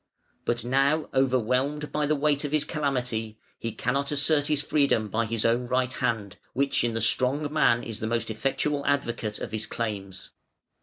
But now overwhelmed by the weight of his calamity, he cannot assert his freedom by his own right hand, which in the strong man is the most effectual advocate of his claims.